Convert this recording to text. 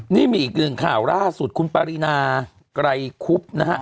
นี่มีอีกหนึ่งข่าวล่าสุดคุณปรินาไกรคุบนะฮะ